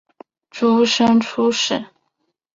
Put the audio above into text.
诸生出身。